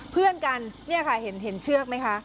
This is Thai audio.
เพื่อนกันเนี่ยค่ะเห็นเชือกไหมคะ